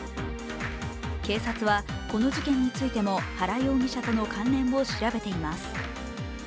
警察はこの事件についても原容疑者との関連を調べています。